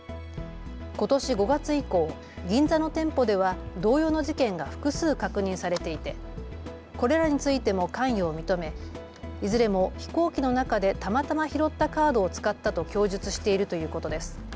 ことし５月以降、銀座の店舗では同様の事件が複数確認されていてこれらについても関与を認めいずれも飛行機の中でたまたま拾ったカードを使ったと供述しているということです。